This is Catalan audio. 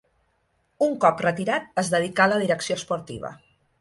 Un cop retirat es dedicà a la direcció esportiva.